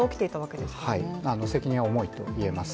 責任は重いといえます。